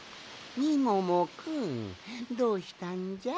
みももくんどうしたんじゃ？